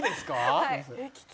はい。